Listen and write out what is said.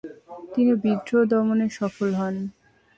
তিনি বিদ্রোহ দমনে সফল হন।